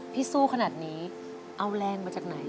สู้ขนาดนี้เอาแรงมาจากไหน